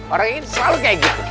orang ini selalu kayak gitu